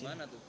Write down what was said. di mana tuh